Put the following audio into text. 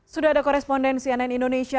sudah ada koresponden cnn indonesia